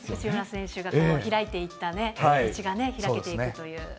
内村選手が開いていったね、道が開けていくという。